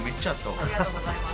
ありがとうございます。